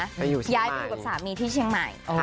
ไปอยู่เชียงใหม่ย้ายไปอยู่กับสามีที่เชียงใหม่